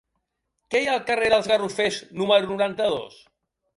Què hi ha al carrer dels Garrofers número noranta-dos?